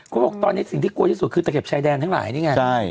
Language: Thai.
เขาบอกตอนนี้สิ่งที่กลัวที่สุดคือตะเข็บชายแดนทั้งหลายนี่ไง